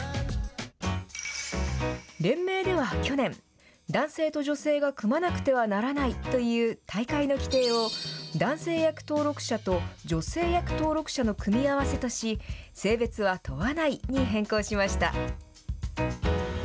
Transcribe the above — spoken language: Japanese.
連盟では去年男性と女性が組まなくてはならないという大会の規定を男性役登録者と女性役登録者の組み合わせとし性別は問わないに変更しました。